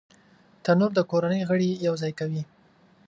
تنور د کورنۍ غړي یو ځای کوي